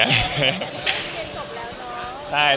เมื่อกี้เรียนจบแล้วเนอะ